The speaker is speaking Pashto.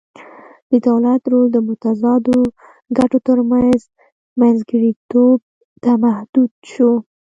د دولت رول د متضادو ګټو ترمنځ منځګړیتوب ته محدود شو